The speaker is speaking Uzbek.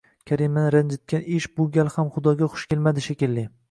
Karimani ranjitgan ish bu gal ham xudoga xush kelmadi, shekilli